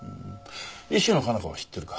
石野香奈子は知ってるか？